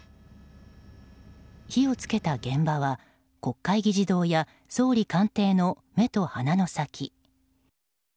火を付けた現場は国会議事堂や総理官邸の目と鼻の先。